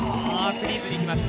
フリーズにいきます。